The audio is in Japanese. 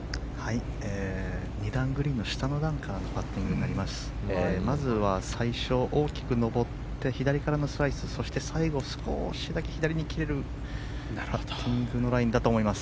２段グリーンの下になりますのでまずは最初、大きく上って左からのスライスそして最後少しだけ左に切れるパッティングのラインだと思います。